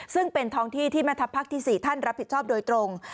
ซึ่งเป็นท้องที่ที่แม่ทัพภาคที่๔ท่านรับผิดชอบโดยตรง